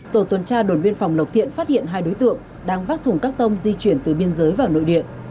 tổ tuần tra đồn biên phòng lộc thiện phát hiện hai đối tượng đang vác thùng các tông di chuyển từ biên giới vào nội địa